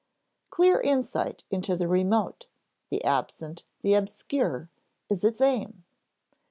Clear insight into the remote, the absent, the obscure is its aim.